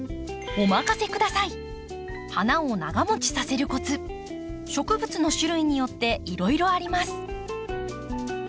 花を長もちさせるコツ植物の種類によっていろいろあります。